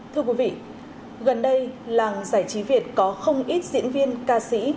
thưa quý vị gần đây làng giải trí việt có không ít diễn viên ca sĩ